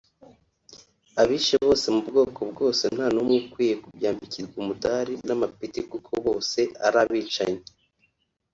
Abishe bose mu bwoko bwose nta n’umwe ukwiye kubyambikirwa umudari n’amapeti kuko bose ari abicanyi